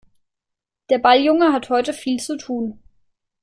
Der Balljunge hat heute viel zu tun.